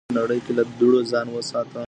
له دوړو ځان وساته